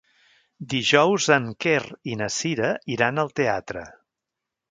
Dijous en Quer i na Cira iran al teatre.